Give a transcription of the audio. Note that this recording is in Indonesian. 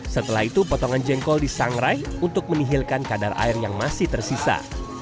setelah itu potongan jengkol disangrai untuk menihilkan kadar air yang masih tersisa